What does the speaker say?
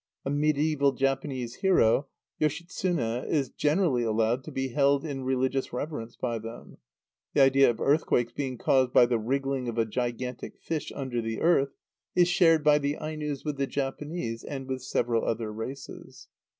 A mediæval Japanese hero, Yoshitsune, is generally allowed to be held in religious reverence by them. The idea of earthquakes being caused by the wriggling of a gigantic fish under the earth is shared by the Ainos with the Japanese and with several other races.